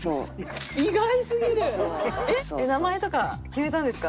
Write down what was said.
意外すぎる！名前とか決めたんですか？